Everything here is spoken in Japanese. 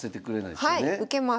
はい受けます。